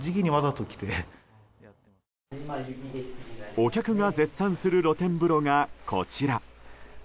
お客が絶賛する露天風呂がこちら。